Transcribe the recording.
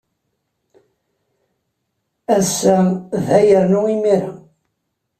Ass-a, da yernu imir-a.